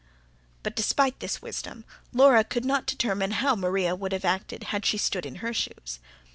But, despite this wisdom, Laura could not determine how Maria would have acted had she stood in her shoes.